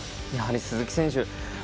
やはり鈴木選手